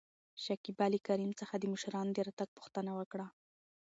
شکيبا له کريم څخه د مشرانو د راتګ پوښتنه وکړه.